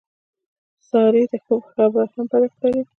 سارې ته ښه خبره هم بده ښکاري.